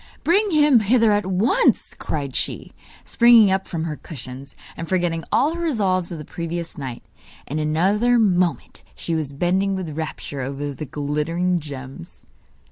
'Bring him hither at once!' cried she, springing up from her cushions, and forgetting all her resolves of the previous night. In another moment she was bending with rapture over the glittering gems.